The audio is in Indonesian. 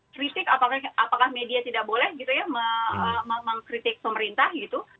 kritik apakah media tidak boleh mengkritik pemerintah